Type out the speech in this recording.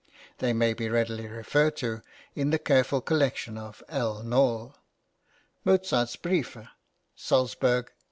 (They may be readily referred to in the careful collection of L. Nohl, "Mozarts Briefe": Salzburg, 1865.)